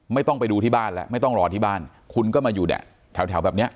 ไม่ต้องไปดูที่บ้านแล้วไม่ต้องรอที่บ้านคุณก็มาอยู่เนี่ยแถวแบบเนี้ย